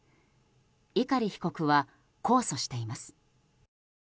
碇被告は控訴しています。